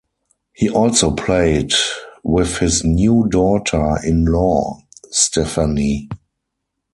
He also played with his new daughter in law Stephanie.